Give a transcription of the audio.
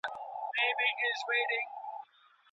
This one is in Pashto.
د شخصي ژوند اړوند بايد زيات دقيق واوسوږ